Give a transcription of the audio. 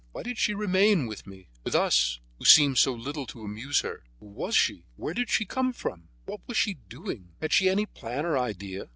Why did she remain with me, with us, who seemed to do so little to amuse her? Who was she? Where did she come from? What was she doing? Had she any plan or idea?